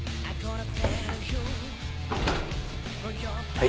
はい。